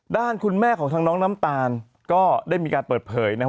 ด้านคุณแม่ของทางน้องน้ำตาลก็ได้มีการเปิดเผยนะครับ